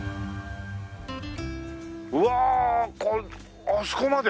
うわああそこまで？